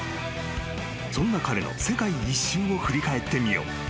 ［そんな彼の世界一周を振り返ってみよう］